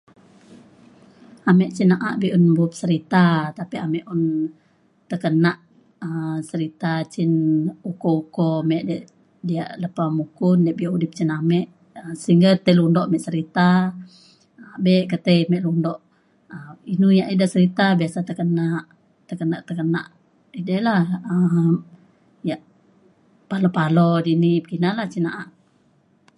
ame cin na’a be’un bup serita tapi ame un tekenak um serita cin uko uko me de diak lepa mukun diak bio udip cin ame um singget tai lundok ame serita abe ketei me lundok. inu yak eda serita biasa tekenak tekenak tekenak edei lah um yak palo palo dini pekina lah cin na’a